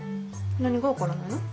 何が分からないの？